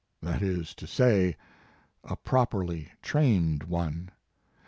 That is to say, a properly trained one.